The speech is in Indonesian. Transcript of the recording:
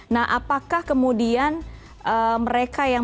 nah apakah kemudian mereka yang